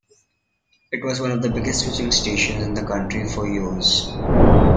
It was one of the biggest switching stations in the country for years.